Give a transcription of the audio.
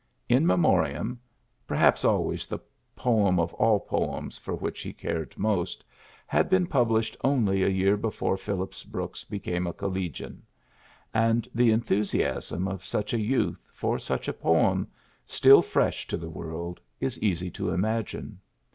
In Memoriam perhaps al ways the poem of all poems for which he cared most had been published only a year before Phillips Brooks be came a collegian ; and the enthusiasm of such a youth for such a poem, still fresh to the world, is easy to imagine.